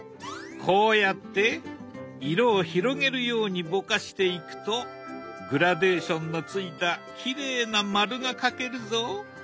こうやって色を広げるようにぼかしていくとグラデーションのついたきれいな丸が描けるぞ。